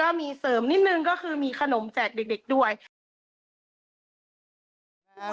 แล้วก็มีเสริมนิดนึงก็คือมีขนมแจกเด็กด้วย